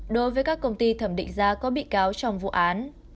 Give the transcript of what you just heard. đối với các công ty thẩm định giá có bị cáo trong vụ án